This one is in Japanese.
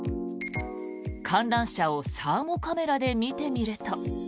観覧車をサーモカメラで見てみると。